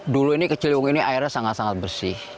dulu ini ke ciliwung ini airnya sangat sangat bersih